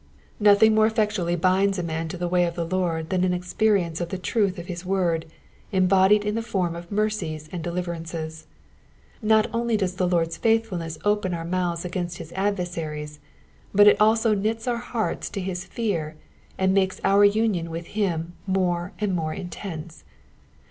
'*'* Nothing more effectually binds a man to the way of the Lord than an experience of the truth of his word, embodied in the form of mercies and deliverances. Not only does the Lord's faithfulness open our mouths against his adversaries, but it also knits our hearts to his fear, and makes our union with him more and more intense.